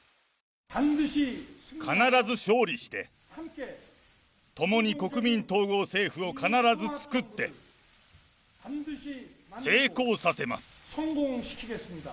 必ず勝利して、共に国民統合政府を必ず作って、成功させます。